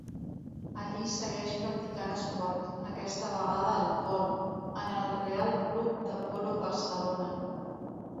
Allí segueix practicant esport, aquesta vegada el pol, en el Real Club de Polo Barcelona.